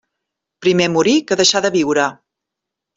Primer morir que deixar de viure.